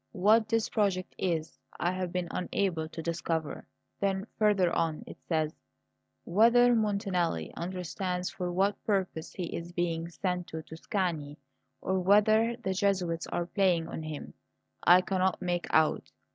What this project is I have been unable to discover.' Then, further on, it says: 'Whether Montanelli understands for what purpose he is being sent to Tuscany, or whether the Jesuits are playing on him, I cannot make out.